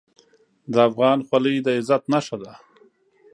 د افغان خولۍ د عزت نښه ده.